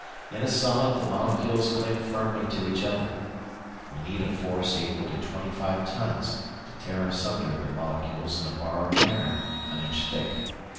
In a solid the molecules cling firmly to each other. We need a force equal to twenty five tons to tear asunder the molecules in a bar of iron an inch thick.